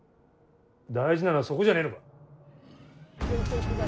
大事なのはそこじゃねえのか。